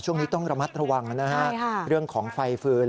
ช่วงนี้ต้องระมัดระวังนะฮะเรื่องของไฟฟืน